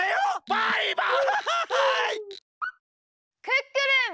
クックルン！